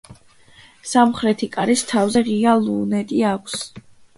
სამხრეთი კარის თავზე ღია ლუნეტი აქვს.